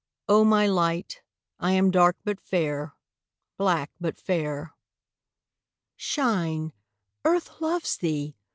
O my light, I am dark but fair, Black but fair. Shine, Earth loves thee!